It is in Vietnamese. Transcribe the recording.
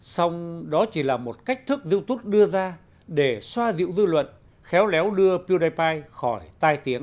xong đó chỉ là một cách thức youtube đưa ra để xoa dịu dư luận khéo léo đưa punapy khỏi tai tiếng